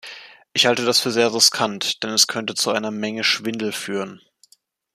Ich halte das für sehr riskant, denn es könnte zu einer Menge Schwindel führen.